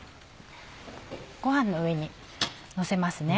ご飯の上にのせますね。